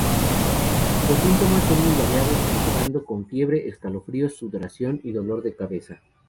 Los síntomas son muy variados, empezando con fiebre, escalofríos, sudoración y dolor de cabeza.